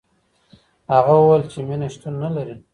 هغه وویل چي مینه شتون نه لري.